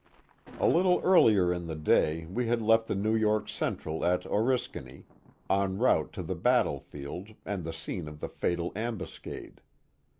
A little earlier in the day we had left the New York Central at Oriskany, en route to the battle field and the scene of the fatal ambuscade.